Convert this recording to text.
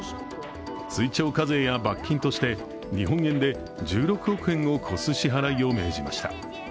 追徴課税や罰金として、日本円で１６億円を超す支払いを命じました。